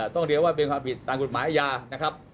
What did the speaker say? ต้องเรียกว่าเป็นความผิดตามกฎหมายอาญานะครับ